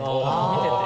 見てて。